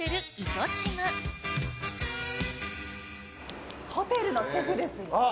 糸島ホテルのシェフですよ。